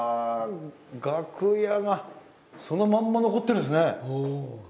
楽屋がそのまんま残ってるんですね。